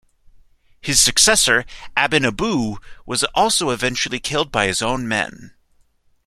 His successor, Aben Aboo, was also eventually killed by his own men.